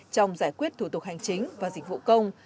trong giải quyết thủ tục hành chính và dịch vụ công